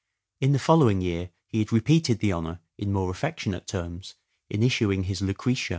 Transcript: In the following year he had repeated the honour in more affectionate terms in issuing his " Lucrece."